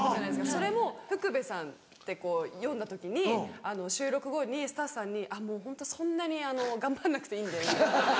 それも「ふくべさん」ってこう読んだ時に収録後にスタッフさんに「そんなに頑張んなくていいんで」みたいな。